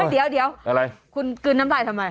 เดี๋ยวคุณกลืนน้ำลายทำไม